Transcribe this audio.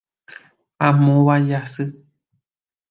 Amóva Jasy